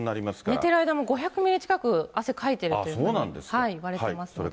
寝てる間も５００ミリ近く汗かいてるというふうにいわれていますので。